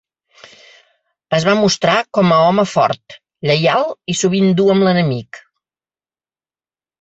Es va mostrar com a home fort, lleial i sovint dur amb l'enemic.